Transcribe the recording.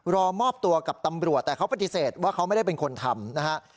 รอมอบตัวกับตำรวจแต่เขาปฏิเสธว่าเขาไม่ได้เป็นคนทำนะฮะ